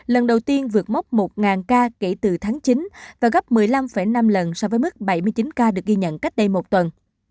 lần đầu tiên vượt mốc một ca kể từ tháng chín và gấp một mươi năm năm lần so với mức bảy mươi chín ca được ghi nhận cách đây một tuần